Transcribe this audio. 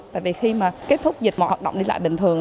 tại vì khi mà kết thúc dịch mọi hoạt động đi lại bình thường